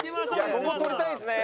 ここ取りたいですね。